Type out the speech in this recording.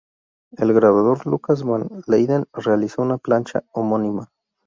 El grabador Lucas van Leyden realizó una plancha homónima.